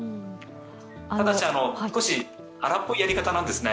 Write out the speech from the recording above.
ただし、少し荒っぽいやり方なんですね。